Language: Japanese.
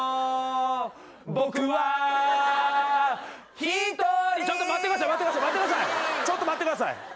「僕は１人」ちょっと待ってください！